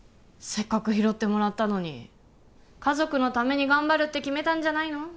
せっかく拾ってもらったのに家族のために頑張るって決めたんじゃないの？